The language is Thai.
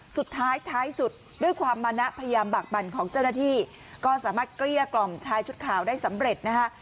สุดท้ายท้ายสุดด้วยความมานะพยายามบากบั่นของเจ้าหน้าที่ก็สามารถเกลี้ยกล่อมชายชุดขาวได้สำเร็จนะคะ